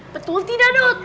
betul tidak dot